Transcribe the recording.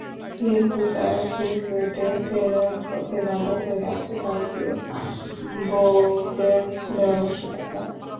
কিন্তু তাঁর ক্রিকেটে ফেরার পথে বাঁধা হয়ে আছে ভারতীয় বোর্ডের দেওয়া নিষেধাজ্ঞা।